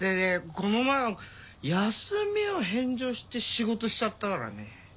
この前なんか休みを返上して仕事しちゃったからね。